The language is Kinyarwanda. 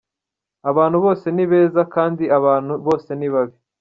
Abantu bose ni beza kandi abantu bose ni babi.